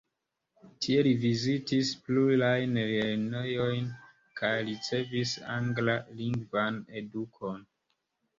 Tie li vizitis plurajn lernejojn kaj ricevis anglalingvan edukon.